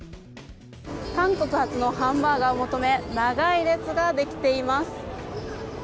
韓国発のハンバーガーを求め長い列ができています。